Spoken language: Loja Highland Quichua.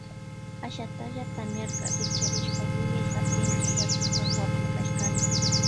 Ashatalla tamiarka rikcharishpa yuyay hapini yaku hawapi kashkani.